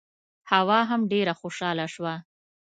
حوا هم ډېره خوشاله شوه.